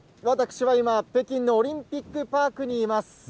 私は今、北京のオリンピックパークにいます。